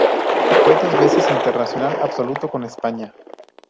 Fue dos veces internacional absoluto con España.